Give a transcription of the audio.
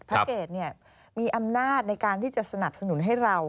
เกรดมีอำนาจในการที่จะสนับสนุนให้เรา